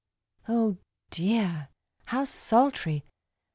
Oh dear! how sultry!